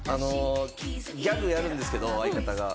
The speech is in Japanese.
ギャグやるんですけど、相方が。